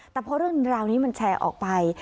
แต่พอเรื่องราวนี้มันแชร์ออกไป